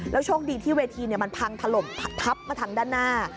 โชคดีที่เวทีมันพังถล่มทับมาทางด้านหน้า